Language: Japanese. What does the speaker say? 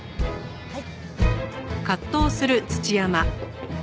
はい。